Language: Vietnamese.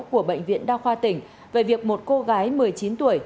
của bệnh viện đa khoa tỉnh về việc một cô gái một mươi chín tuổi